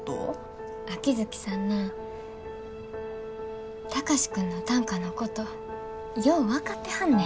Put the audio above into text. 秋月さんな貴司君の短歌のことよう分かってはんねん。